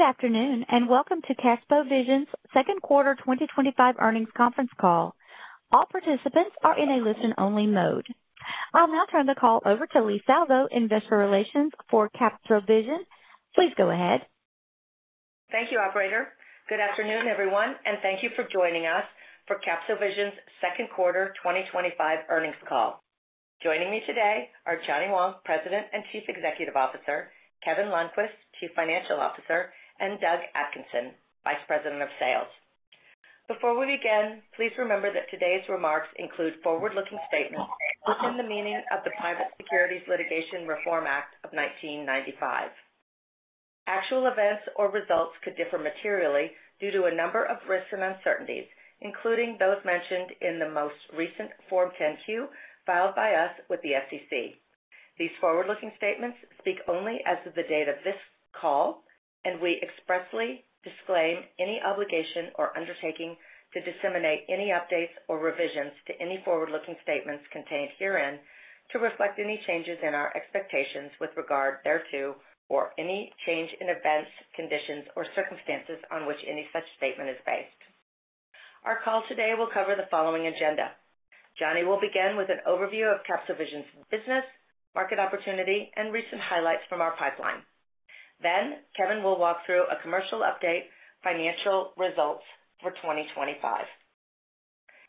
Good afternoon and welcome to CapsoVision's Second Quarter 2025 Earnings Conference Call. All participants are in a listen-only mode. I'll now turn the call over to Leigh Salvo in Investor Relations for CapsoVision. Please go ahead. Thank you, operator. Good afternoon, everyone, and thank you for joining us for CapsoVision's second quarter 2025 earnings call. Joining me today are Johnny Wang, President and Chief Executive Officer; Kevin Lundquist, Chief Financial Officer; and Doug Atkinson, Vice President of Sales. Before we begin, please remember that today's remarks include forward-looking statements within the meaning of the Private Securities Litigation Reform Act of 1995. Actual events or results could differ materially due to a number of risks and uncertainties, including those mentioned in the most recent Form 10-Q filed by us with the SEC. These forward-looking statements speak only as of the date of this call, and we expressly disclaim any obligation or undertaking to disseminate any updates or revisions to any forward-looking statements contained herein to reflect any changes in our expectations with regard thereto or any change in events, conditions, or circumstances on which any such statement is based. Our call today will cover the following agenda. Johnny will begin with an overview of CapsoVision's business, market opportunity, and recent highlights from our pipeline. Kevin will walk through a commercial update and financial results for 2025.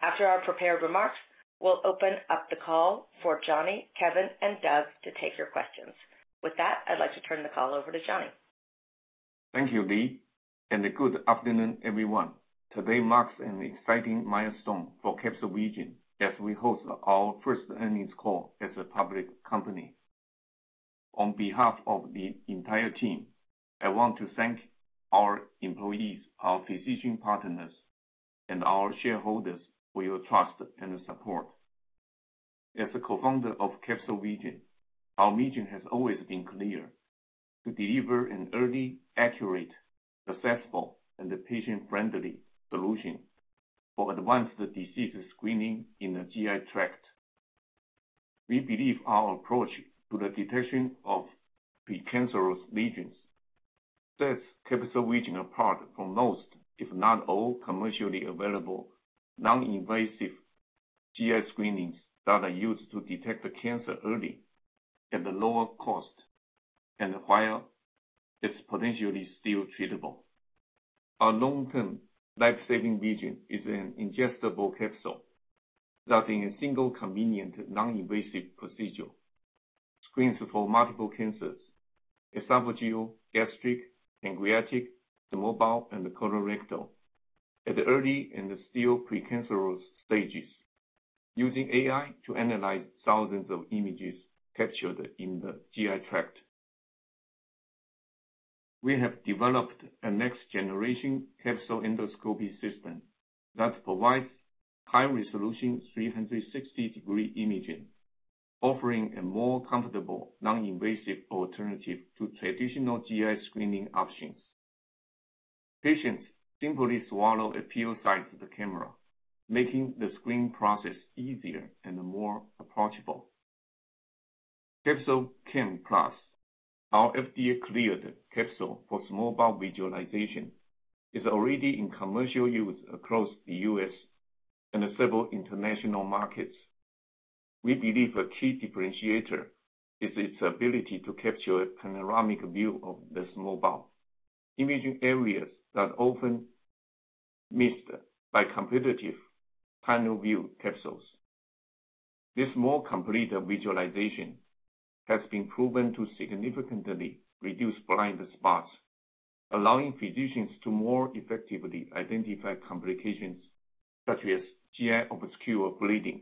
After our prepared remarks, we'll open up the call for Johnny, Kevin, and Doug to take your questions. With that, I'd like to turn the call over to Johnny. Thank you, Leigh, and good afternoon, everyone. Today marks an exciting milestone for CapsoVision as we host our first earnings call as a public company. On behalf of the entire team, I want to thank our employees, our physician partners, and our shareholders for your trust and support. As a co-founder of CapsoVision, our mission has always been clear: to deliver an early, accurate, accessible, and patient-friendly solution for advanced disease screening in the GI tract. We believe our approach to the detection of cancerous lesions sets CapsoVision apart from most, if not all, commercially available, non-invasive GI screenings that are used to detect cancer early at a lower cost and while it's potentially still treatable. Our long-term life-saving vision is an ingestible capsule that, in a single convenient, non-invasive procedure, screens for multiple cancers: esophageal, gastric, pancreatic, small bowel, and colorectal at early and still precancerous stages, using AI to analyze thousands of images captured in the GI tract. We have developed a next-generation capsule endoscopy system that provides high-resolution 360-degree imaging, offering a more comfortable, non-invasive alternative to traditional GI screening options. Patients simply swallow a pill sized to the camera, making the screening process easier and more approachable. CapsoCam Plus, our FDA-cleared capsule for small bowel visualization, is already in commercial use across the U.S. and several international markets. We believe a key differentiator is its ability to capture a panoramic view of the small bowel, imaging areas that are often missed by competitive panel view capsules. This more complete visualization has been proven to significantly reduce blind spots, allowing physicians to more effectively identify complications such as GI obscure bleeding,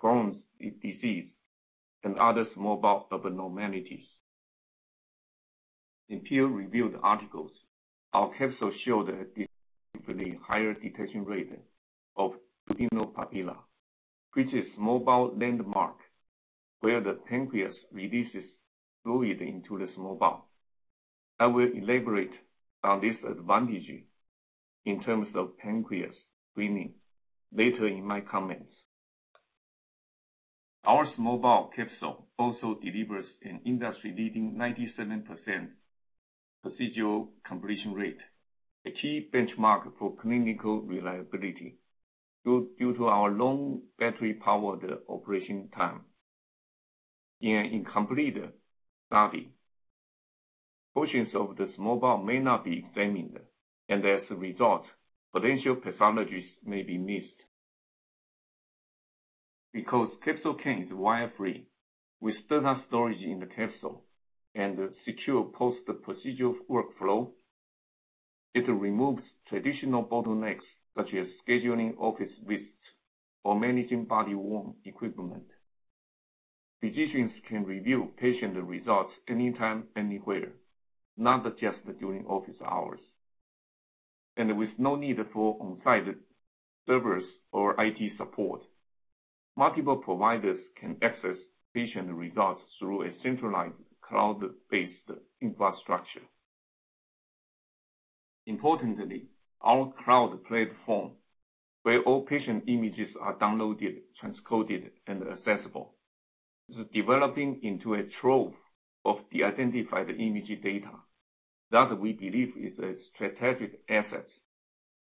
Crohn's disease, and other small bowel abnormalities. In peer-reviewed articles, our capsule showed a higher detection rate of pneumopapilla, which is a small bowel landmark where the pancreas releases fluid into the small bowel. I will elaborate on this advantage in terms of pancreas screening later in my comments. Our small bowel capsule also delivers an industry-leading 97% procedural completion rate, a key benchmark for clinical reliability due to our long battery-powered operation time. In an incomplete study, portions of the small bowel may not be examined, and as a result, potential pathologies may be missed. Because CapsoCam Plus is wire-free, with standard storage in the capsule and secure post-procedural workflow, it removes traditional bottlenecks such as scheduling office visits or managing body-worn equipment. Physicians can review patient results anytime, anywhere, not just during office hours, and with no need for on-site servers or IT support. Multiple providers can access patient results through a centralized cloud-based infrastructure. Importantly, our cloud platform, where all patient images are downloaded, transcoded, and accessible, is developing into a trove of de-identified imaging data that we believe is a strategic asset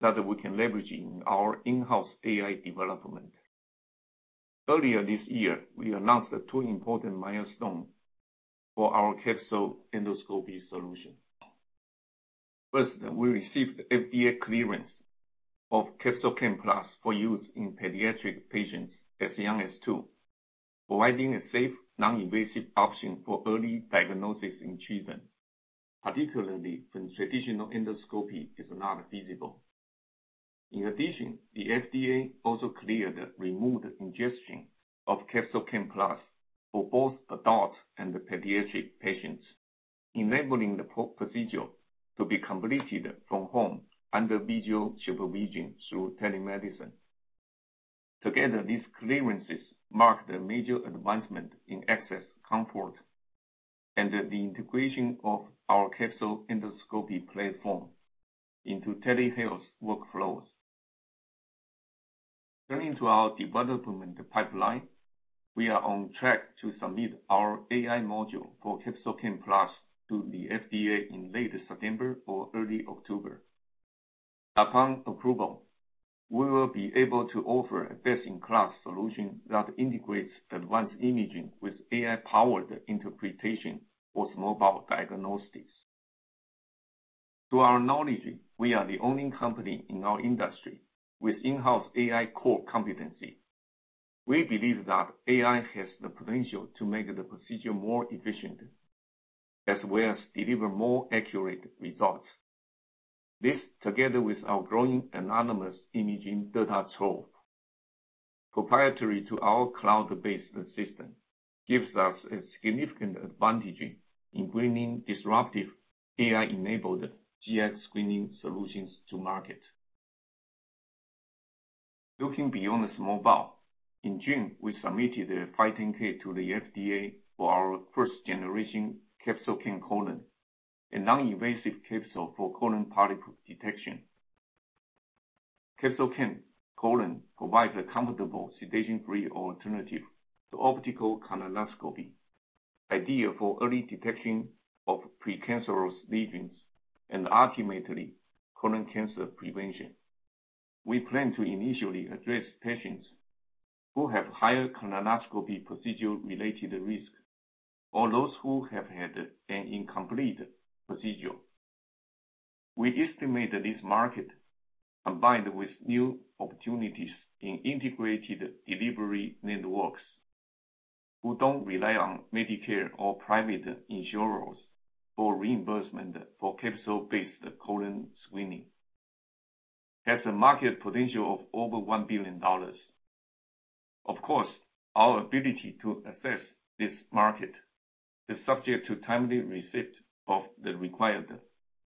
that we can leverage in our in-house AI development. Earlier this year, we announced two important milestones for our capsule endoscopy solution. First, we received FDA clearance of CapsoCam Plus for use in pediatric patients as young as two, providing a safe, non-invasive option for early diagnosis and treatment, particularly when traditional endoscopy is not feasible. In addition, the FDA also cleared the remote ingestion of CapsoCam Plus for both adult and pediatric patients, enabling the procedure to be completed from home under video supervision through telemedicine. Together, these clearances marked a major advancement in access, comfort, and the integration of our capsule endoscopy platform into telemedicine workflows. Turning to our development pipeline, we are on track to submit our AI-powered module for CapsoCam Plus to the FDA in late September or early October. Upon approval, we will be able to offer a best-in-class solution that integrates advanced imaging with AI-powered interpretation for small bowel diagnostics. To our knowledge, we are the only company in our industry with in-house AI core competency. We believe that AI has the potential to make the procedure more efficient, as well as deliver more accurate results. This, together with our growing de-identified imaging data trove, proprietary to our cloud-based system, gives us a significant advantage in bringing disruptive AI-enabled GI tract disease screening solutions to market. Looking beyond the small bowel, in June, we submitted a filing to the FDA for our 1st-gen CapsoCam Colon, a non-invasive capsule for colon polyp detection. CapsoVision CapsoCam Colon provides a comfortable, sedation-free alternative to optical colonoscopy, ideal for early detection of precancerous lesions and, ultimately, colon cancer prevention. We plan to initially address patients who have higher colonoscopy procedure-related risks or those who have had an incomplete procedure. We estimate this market, combined with new opportunities in integrated delivery networks, who don't rely on Medicare or private insurers for reimbursement for capsule-based colon screening, has a market potential of over $1 billion. Of course, our ability to assess this market is subject to timely receipt of the required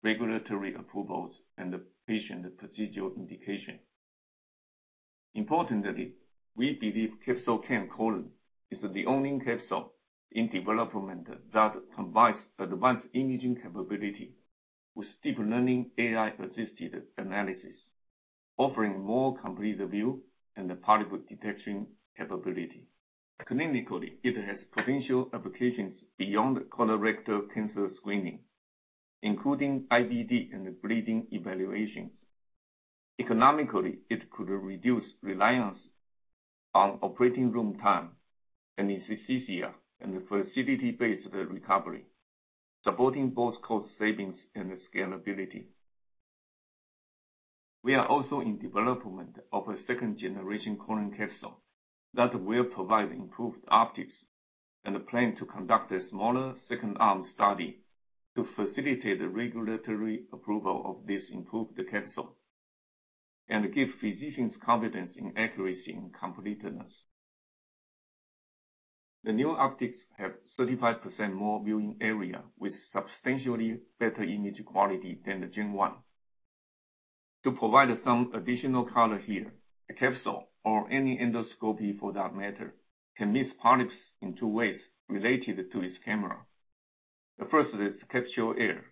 regulatory approvals and the patient procedural indication. Importantly, we believe CapsoCam Colon is the only capsule in development that combines advanced imaging capability with deep learning AI-assisted analysis, offering more complete view and the polyp detection capability. Clinically, it has potential applications beyond colorectal cancer screening, including IVD and bleeding evaluation. Economically, it could reduce reliance on operating room time and insufficiency and for a CT-based recovery, supporting both cost savings and scalability. We are also in development of a 2nd-gen colon capsule that will provide improved optics and plan to conduct a smaller second arm study to facilitate the regulatory approval of this improved capsule and give physicians confidence in accuracy and completeness. The new optics have 35% more viewing area with substantially better image quality than the 1st generation. To provide some additional color here, a capsule, or any endoscopy for that matter, can miss polyps in two ways related to its camera. The first is capture error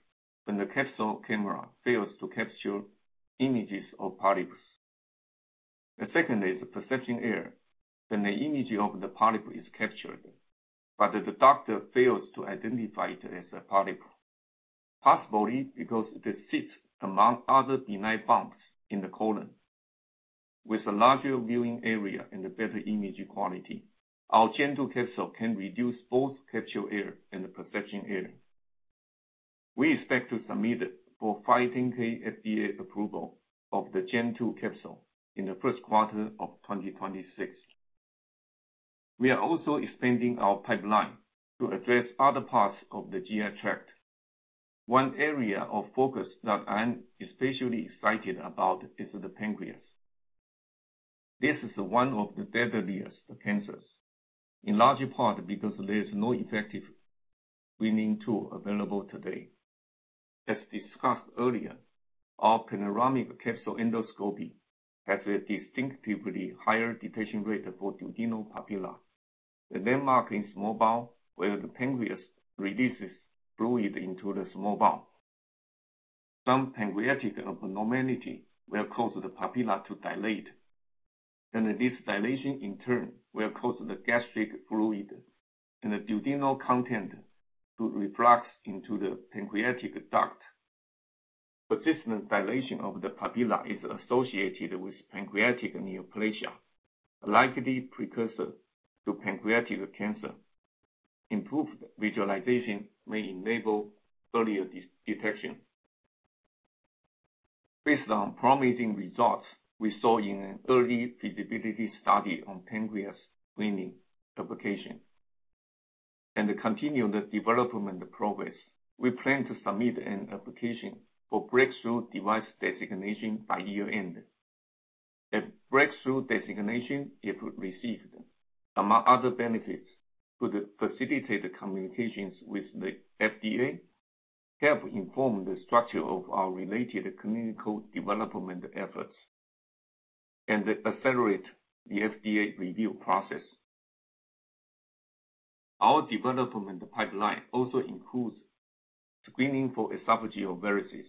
when the capsule camera fails to capture images of polyps. The second is perception error when the image of the polyp is captured, but the doctor fails to identify it as a polyp, possibly because it sits among other benign forms in the colon. With a larger viewing area and better image quality, our 2nd-gen capsule can reduce both capture error and perception error. We expect to submit for FDA approval of the 2nd-gen capsule in the first quarter of 2026. We are also expanding our pipeline to address other parts of the GI tract. One area of focus that I'm especially excited about is the pancreas. This is one of the deadliest cancers, in large part because there is no effective screening tool available today. As discussed earlier, our panoramic capsule endoscopy has a distinctively higher detection rate for duodenal papilla, a landmark in small bowel where the pancreas releases fluid into the small bowel. Some pancreatic abnormalities will cause the papilla to dilate, and this dilation in turn will cause the gastric fluid and duodenal content to reflux into the pancreatic duct. Persistent dilation of the papilla is associated with pancreatic neoplasia, a likely precursor to pancreatic cancer. Improved visualization may enable earlier detection. Based on promising results we saw in an early feasibility study on pancreas screening application and the continued development progress, we plan to submit an application for breakthrough device designation by year end. If breakthrough designation is received, some other benefits could facilitate communications with the FDA, help inform the structure of our related clinical development efforts, and accelerate the FDA review process. Our development pipeline also includes screening for esophageal varices.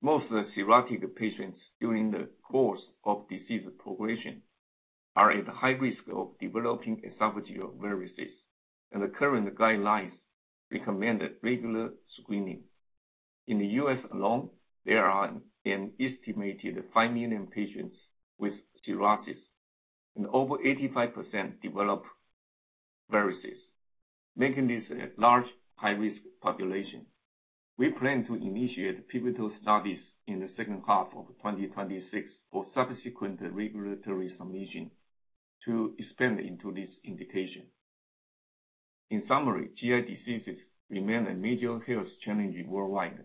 Most cirrhotic patients during the course of disease progression are at high risk of developing esophageal varices, and the current guidelines recommend regular screening. In the U.S. alone, there are an estimated 5 million patients with cirrhosis, and over 85% develop varices, making this a large high-risk population. We plan to initiate pivotal studies in the second half of 2026 for subsequent regulatory submission to expand into this indication. In summary, GI diseases remain a major health challenge worldwide,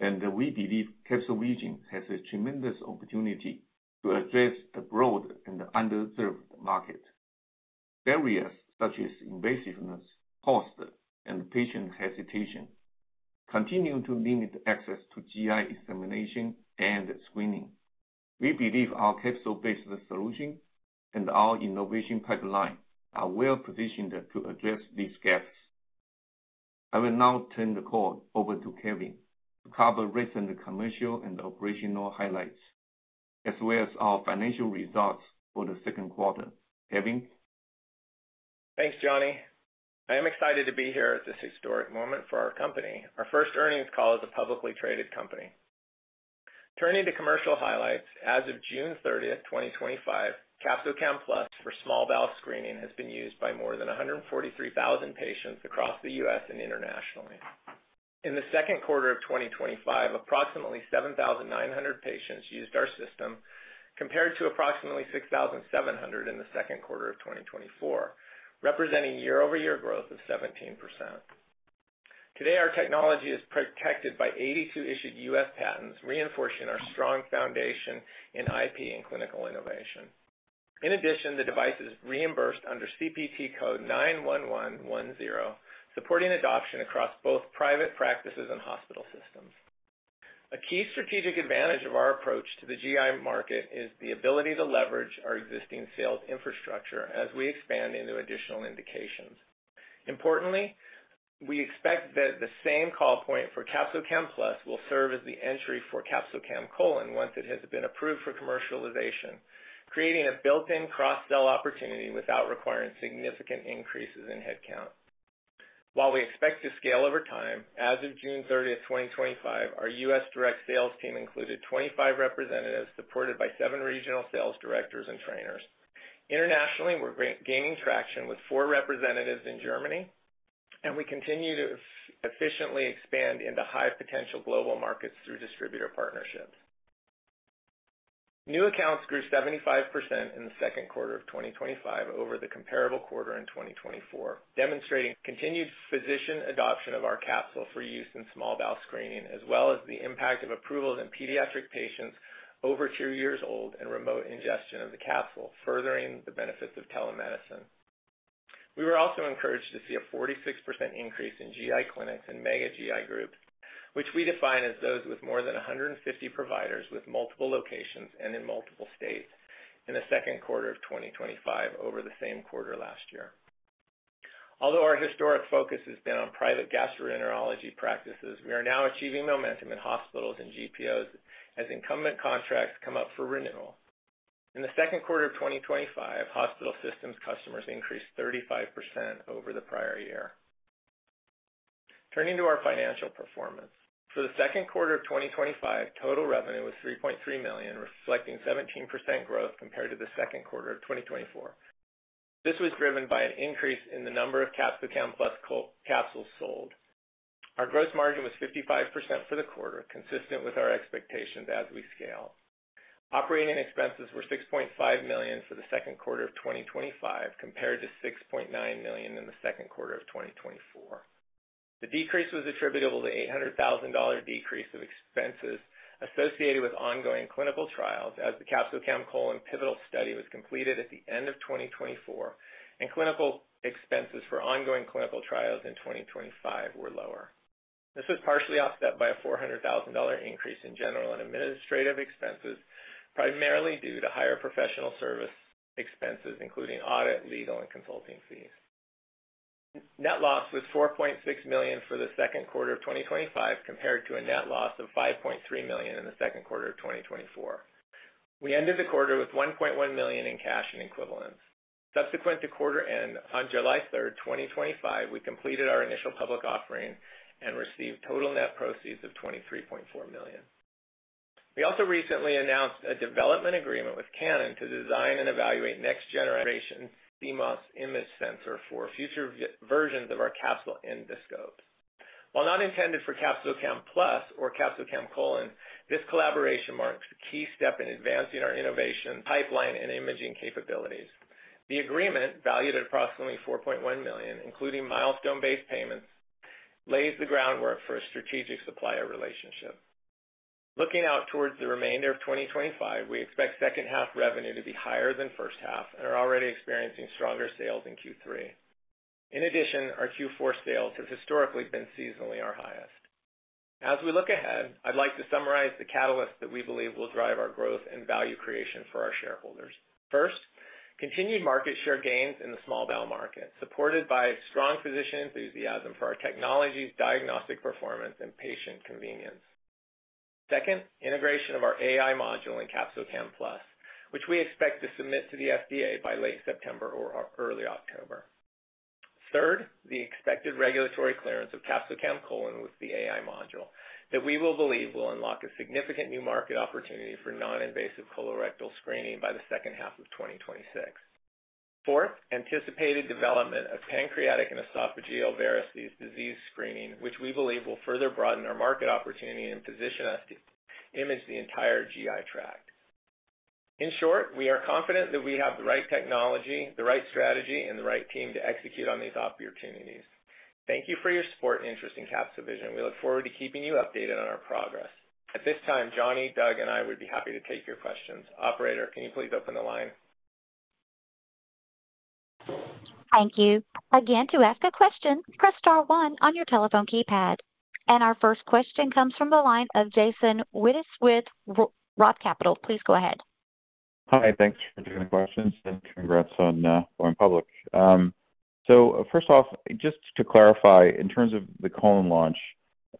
and we believe CapsoVision has a tremendous opportunity to address the broad and underserved market. Barriers such as invasiveness, cost, and patient hesitation continue to limit access to GI examination and screening. We believe our capsule-based solution and our innovation pipeline are well positioned to address these gaps. I will now turn the call over to Kevin to cover recent commercial and operational highlights, as well as our financial results for the second quarter. Kevin? Thanks, Johnny. I am excited to be here at this historic moment for our company, our first earnings call as a publicly traded company. Turning to commercial highlights, as of June 30th, 2025, CapsoCam Plus for small bowel screening has been used by more than 143,000 patients across the U.S. and internationally. In the second quarter of 2025, approximately 7,900 patients used our system, compared to approximately 6,700 in the second quarter of 2024, representing year-over-year growth of 17%. Today, our technology is protected by 82 issued U.S. patents, reinforcing our strong foundation in IP and clinical innovation. In addition, the device is reimbursed under CPT code 91110, supporting adoption across both private practices and hospital systems. A key strategic advantage of our approach to the GI market is the ability to leverage our existing sales infrastructure as we expand into additional indications. Importantly, we expect that the same call point for CapsoCam Plus will serve as the entry for CapsoCam Colon once it has been approved for commercialization, creating a built-in cross-sell opportunity without requiring significant increases in headcount. While we expect to scale over time, as of June 30th, 2025, our U.S. direct sales team included 25 representatives, supported by seven regional sales directors and trainers. Internationally, we're gaining traction with four representatives in Germany, and we continue to efficiently expand into high-potential global markets through distributor partnerships. New accounts grew 75% in the second quarter of 2025 over the comparable quarter in 2024, demonstrating continued physician adoption of our capsule for use in small bowel screening, as well as the impact of approvals in pediatric patients over two years old and remote ingestion of the capsule, furthering the benefits of telemedicine. We were also encouraged to see a 46% increase in GI clinics in Mega GI Group, which we define as those with more than 150 providers with multiple locations and in multiple states in the second quarter of 2025 over the same quarter last year. Although our historic focus has been on private gastroenterology practices, we are now achieving momentum in hospitals and GPOs as incumbent contracts come up for renewal. In the second quarter of 2025, hospital systems customers increased 35% over the prior year. Turning to our financial performance, for the second quarter of 2025, total revenue was $3.3 million, reflecting 17% growth compared to the second quarter of 2024. This was driven by an increase in the number of CapsoCam Plus capsules sold. Our gross margin was 55% for the quarter, consistent with our expectations as we scaled. Operating expenses were $6.5 million for the second quarter of 2025, compared to $6.9 million in the second quarter of 2024. The decrease was attributable to an $800,000 decrease of expenses associated with ongoing clinical trials as the CapsoCam Colon pivotal study was completed at the end of 2024, and clinical expenses for ongoing clinical trials in 2025 were lower. This was partially offset by a $400,000 increase in general and administrative expenses, primarily due to higher professional service expenses, including audit, legal, and consulting fees. Net loss was $4.6 million for the second quarter of 2025, compared to a net loss of $5.3 million in the second quarter of 2024. We ended the quarter with $1.1 million in cash and equivalents. Subsequent to quarter end on July 3rd, 2025, we completed our IPO and received total net proceeds of $23.4 million. We also recently announced a development agreement with Canon to design and evaluate next-generation CMOS image sensors for future versions of our capsule endoscope. While not intended for CapsoCam Plus or CapsoCam Colon, this collaboration marks a key step in advancing our innovation pipeline and imaging capabilities. The agreement, valued at approximately $4.1 million, including milestone-based payments, lays the groundwork for a strategic supplier relationship. Looking out towards the remainder of 2025, we expect second half revenue to be higher than first half and are already experiencing stronger sales in Q3. In addition, our Q4 sales have historically been seasonally our highest. As we look ahead, I'd like to summarize the catalysts that we believe will drive our growth and value creation for our shareholders. First, continued market share gains in the small bowel market, supported by strong physician enthusiasm for our technology's diagnostic performance and patient convenience. Second, integration of our AI-powered modules in CapsoCam Plus, which we expect to submit to the FDA by late September or early October. Third, the expected regulatory clearance of CapsoVision Colon with the AI module, that we believe will unlock a significant new market opportunity for non-invasive colorectal screening by the second half of 2026. Fourth, anticipated development of pancreatic and esophageal varices disease screening, which we believe will further broaden our market opportunity and position us to image the entire GI tract. In short, we are confident that we have the right technology, the right strategy, and the right team to execute on these opportunities. Thank you for your support and interest in CapsoVision. We look forward to keeping you updated on our progress. At this time, Johnny, Doug, and I would be happy to take your questions. Operator, can you please open the line? Thank you. To ask a question, press star one on your telephone keypad. Our first question comes from the line of Jason Wittes with ROTH Capital. Please go ahead. Hi, thanks for joining questions and congrats on going public. First off, just to clarify, in terms of the colon launch,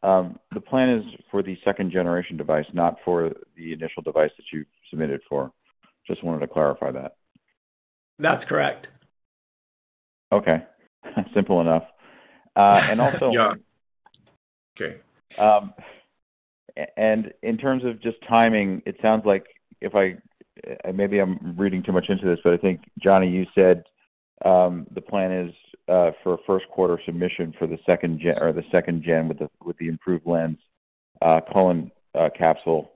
the plan is for the 2nd-gen device, not for the initial device that you submitted for. Just wanted to clarify that. That's correct. Okay. Simple enough. Also. Yeah. Okay. In terms of just timing, it sounds like if I, maybe I'm reading too much into this, but I think, Johnny, you said the plan is for a first quarter submission for the second gen, or the second gen with the improved lens, colon capsule.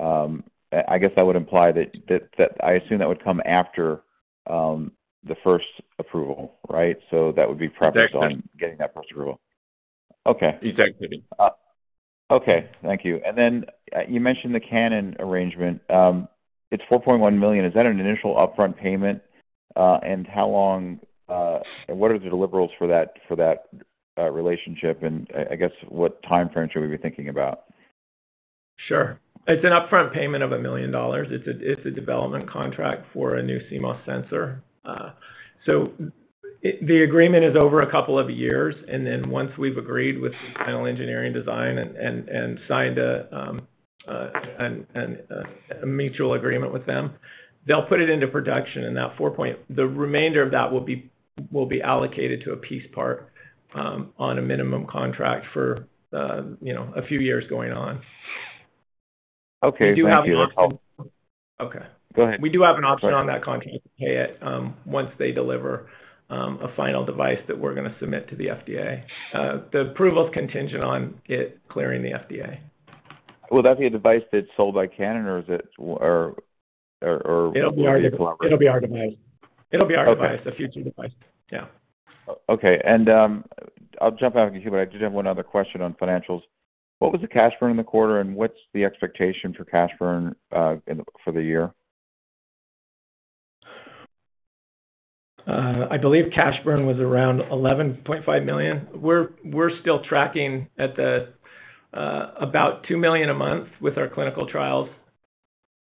I guess that would imply that I assume that would come after the first approval, right? That would be prepping on getting that first approval. Exactly. Okay. Exactly. Okay. Thank you. You mentioned the Canon arrangement. It's $4.1 million. Is that an initial upfront payment? How long, and what are the deliverables for that relationship? I guess what timeframe should we be thinking about? Sure. It's an upfront payment of $1 million. It's a development contract for a new CMOS image sensor. The agreement is over a couple of years, and once we've agreed with the panel engineering design and signed a mutual agreement with them, they'll put it into production. The remainder of that will be allocated to a piece part, on a minimum contract for a few years going on. Okay. We do have an option. Okay, go ahead. We do have an option on that contract to pay it once they deliver a final device that we're going to submit to the FDA. The approval is contingent on it clearing the FDA. Will that be a device that's sold by Canon, or will it be our device? It'll be our device, a future device. Okay. I'll jump back to you, but I do have one other question on financials. What was the cash burn in the quarter, and what's the expectation for cash burn for the year? I believe cash burn was around $11.5 million. We're still tracking at about $2 million a month with our clinical trials.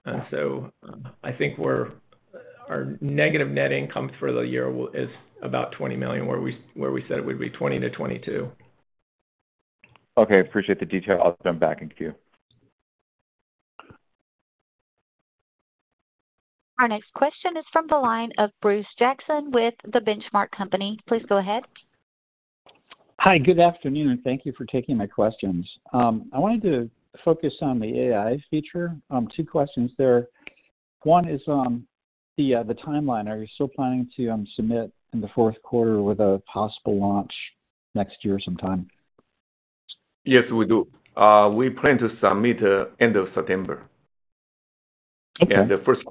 I think our negative net income for the year is about $20 million, where we said it would be $20 million-$22 million. Okay. Appreciate the detail. I'll jump back in too. Our next question is from the line of Bruce Jackson with The Benchmark Company. Please go ahead. Hi. Good afternoon, and thank you for taking my questions. I wanted to focus on the AI feature. Two questions there. One is the timeline. Are you still planning to submit in the fourth quarter with a possible launch next year sometime? Yes, we do. We plan to submit end of September. Okay. In the first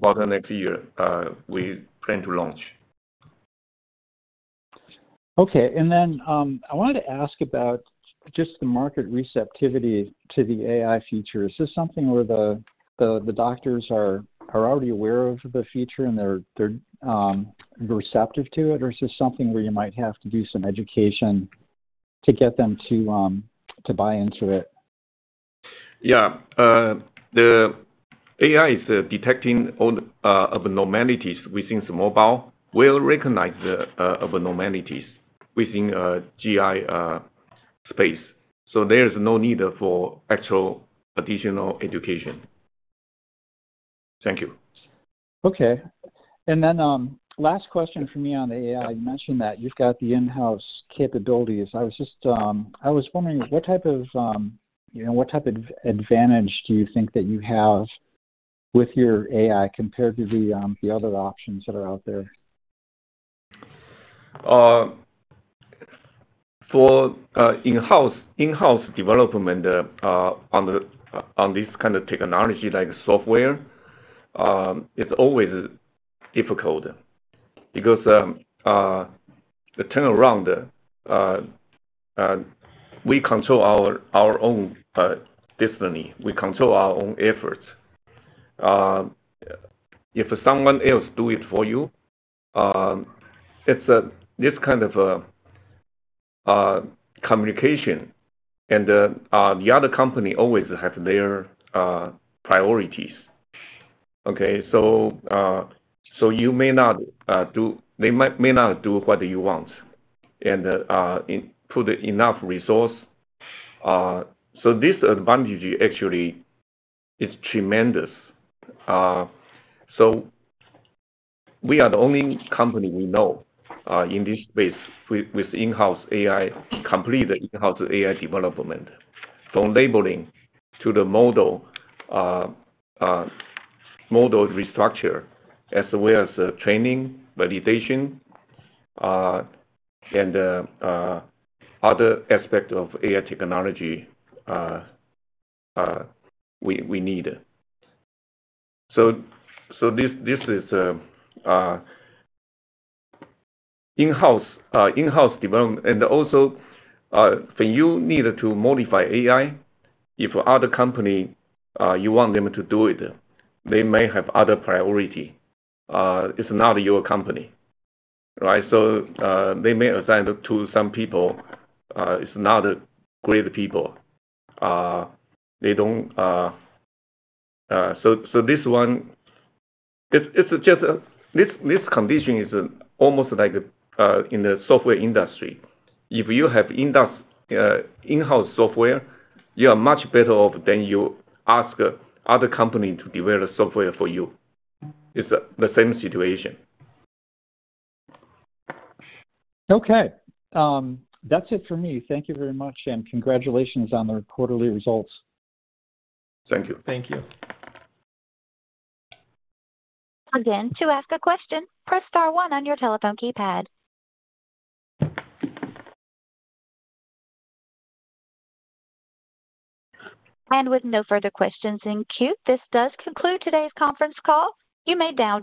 quarter next year, we plan to launch. Okay. I wanted to ask about just the market receptivity to the AI feature. Is this something where the doctors are already aware of the feature and they're receptive to it, or is this something where you might have to do some education to get them to buy into it? Yeah, the AI is detecting all abnormalities within small bowel. It will recognize the abnormalities within GI space. There is no need for actual additional education. Thank you. Okay. Last question for me on the AI. You mentioned that you've got the in-house capabilities. I was wondering what type of advantage do you think that you have with your AI compared to the other options that are out there? For in-house development on this kind of technology, like software, it's always difficult because the turnaround, we control our own destiny. We control our own efforts. If someone else does it for you, it's this kind of communication, and the other company always has their priorities. You may not do, they may not do what you want and put enough resource. This advantage actually is tremendous. We are the only company we know in this space with in-house AI, complete in-house AI development from labeling to the model, model restructure, as well as training, validation, and other aspects of AI technology we need. This is in-house development. Also, when you need to modify AI, if other companies you want them to do it, they may have other priorities. It's not your company, right? They may assign it to some people. It's not great people. They don't. This condition is almost like in the software industry. If you have in-house software, you are much better off than you ask other companies to develop software for you. It's the same situation. Okay, that's it for me. Thank you very much, and congratulations on the quarterly results. Thank you. Thank you. Again, to ask a question, press star one on your telephone keypad. With no further questions in queue, this does conclude today's conference call. You may now...